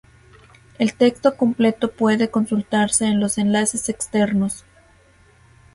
El texto completo puede consultarse en los enlaces externos.